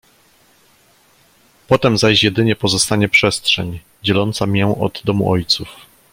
"Potem zaś jedynie pozostanie przestrzeń, dzieląca mię od domu ojców."